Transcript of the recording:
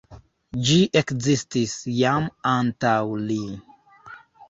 Ĝi ekzistis jam antaŭ li.